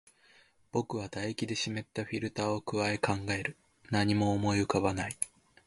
僕は唾液で湿ったフィルターを咥え、考える。何も思い浮かばない。